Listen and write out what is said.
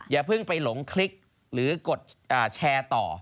อย่าเพิ่งไปหลงคลิกหรือกดแชร์ต่อ